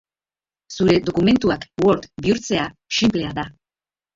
Zure dokumentuak Word bihurtzea xinplea da.